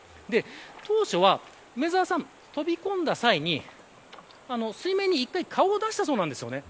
当初は梅澤さん飛び込んだ際に水面に１回顔を出したそうです。